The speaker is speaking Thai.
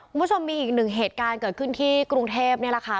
คุณผู้ชมมีอีกหนึ่งเหตุการณ์เกิดขึ้นที่กรุงเทพนี่แหละค่ะ